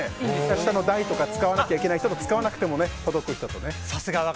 下の台とか使わなきゃいけないところ使わなくても届く。